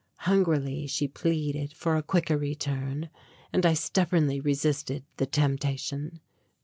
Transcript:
Hungrily she pleaded for a quicker return; and I stubbornly resisted the temptation.